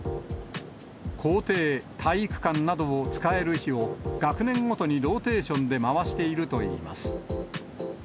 校庭、体育館などを使える日を、学年ごとにローテーションで回しているといいます。